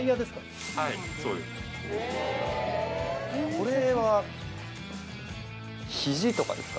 これは肘とかですか？